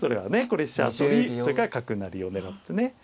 これ飛車取りそれから角成りを狙ってね。